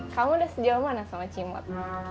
kamu udah sejauh mana sama cimot